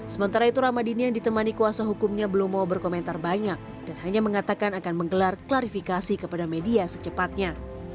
sementara itu ramadini yang ditemani kuasa hukumnya belum mau berkomentar banyak dan hanya mengatakan akan menggelar klarifikasi kepada media secepatnya